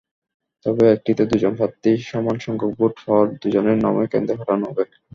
তবে একটিতে দুজন প্রার্থী সমানসংখ্যক ভোট পাওয়ায় দুজনের নামই কেন্দ্রে পাঠানো হবে।